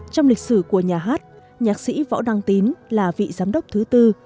trong lịch sử của nhà hát nhạc sĩ võ đăng tín là vị giám đốc thứ tư